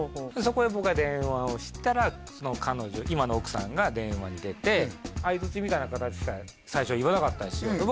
そこへ僕が電話をしたらその彼女今の奥さんが電話に出てあいづちみたいなかたちしか最初言わなかったんですよ